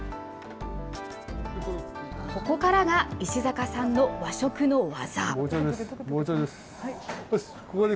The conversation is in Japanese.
ここからが石坂さんの和食の技。